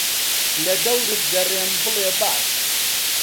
لەدەورت گەڕێم بڵێ باش